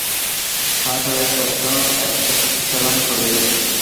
খাঁ সাহেব তৎক্ষণাৎ এক সেলাম করিলেন।